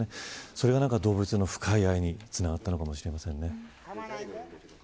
それが動物への深い愛につながったかもしれませんね。